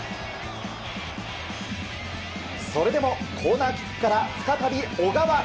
それでも、コーナーキックから再び小川。